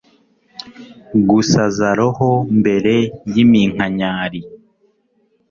gusaza roho mbere yiminkanyari